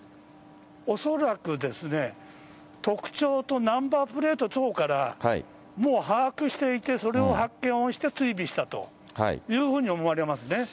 恐らくですね、特徴とナンバープレート等からもう把握していて、それを発見をして、追尾したというふうに思われますね。